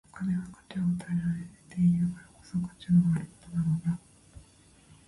お金は価値を与えられているからこそ、価値あるものなのだ。